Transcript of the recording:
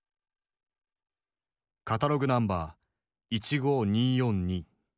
カタログナンバー１５２４２。